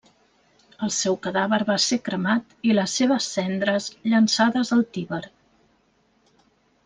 El seu cadàver va ser cremat i les seves cendres llançades al Tíber.